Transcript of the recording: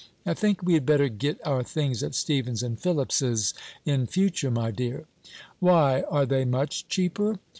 I think we had better get our things at Stephens and Philips's in future, my dear." "Why? are they much cheaper?"